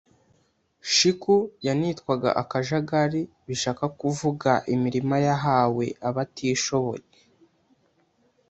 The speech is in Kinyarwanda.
Shiku yanitwaga akajagari bishaka kuvuga imirima yahawe abatishoboye